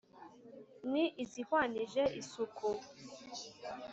ni izihwanije isuku